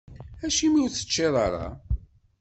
Acimi ur teččiḍ ara?